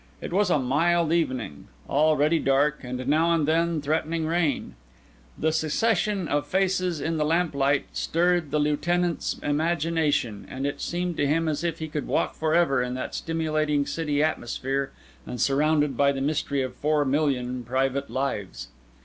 It was a mild evening, already dark, and now and then threatening rain. The succession of faces in the lamplight stirred the Lieutenant's imagination; and it seemed to him as if he could walk for ever in that stimulating city atmosphere and surrounded by the mystery of four million private lives.